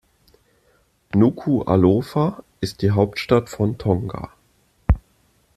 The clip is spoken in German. Nukuʻalofa ist die Hauptstadt von Tonga.